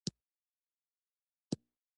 د غوټۍ له ځنګنو سره ولګېد.